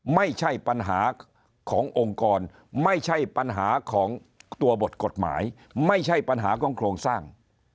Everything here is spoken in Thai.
ไม่ใช่ปัญหาขององค์กรไม่ใช่ปัญหาของตัวบทกฎหมายไม่ใช่ปัญหาของโครงสร้าง